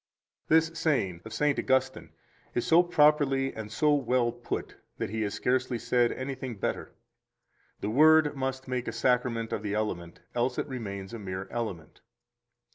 This saying of St. Augustine is so properly and so well put that he has scarcely said anything better. The Word must make a Sacrament of the element, else it remains a mere element.